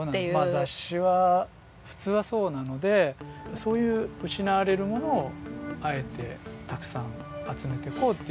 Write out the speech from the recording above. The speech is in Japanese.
まあ雑誌は普通はそうなのでそういう失われるものをあえてたくさん集めてこうっていう。